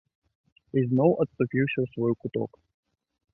І зноў адступіўся ў свой куток.